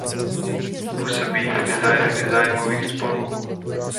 Působí v ní několik zájmových spolků.